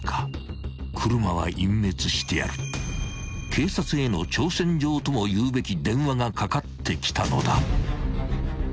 ［警察への挑戦状ともいうべき電話がかかってきたのだ］